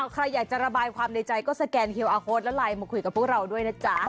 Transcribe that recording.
ใครอยากจะระบายความในใจก็สแกนเฮียอาร์โฮดแล้วไลน์มาคุยกับพวกเราด้วยนะจ๊ะ